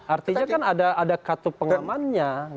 artinya kan ada kartu pengamannya